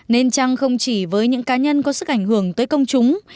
nên chăng không chỉ với những cá nhân có sức ảnh hưởng tới công chúng